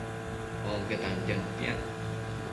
Onque tantianu piac